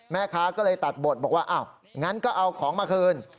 แม่ค้าก็เลยตัดบทบอกว่าอ้าวงั้นก็เอาของมาคืน